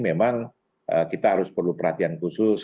memang kita harus perlu perhatian khusus